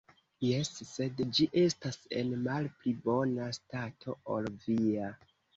Jes, sed ĝi estas en malpli bona stato ol via.